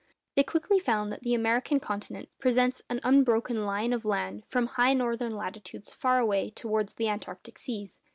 They quickly found that the American continent presents an unbroken line of land from high northern latitudes far away towards the antarctic seas.